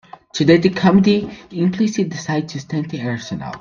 Today the committee implicitly decided to extend the arsenal.